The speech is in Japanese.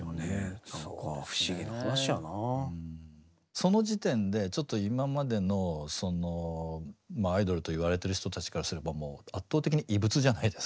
その時点でちょっと今までのそのアイドルといわれてる人たちからすればもう圧倒的に異物じゃないですか。